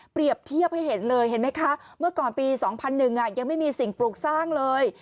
เทียบให้เห็นเลยเห็นไหมคะเมื่อก่อนปี๒๐๐๑ยังไม่มีสิ่งปลูกสร้างเลย